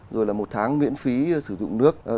rồi là một tháng miễn phí sử dụng nước